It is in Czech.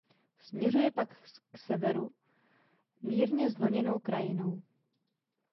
Směřuje pak k severu mírně zvlněnou krajinou.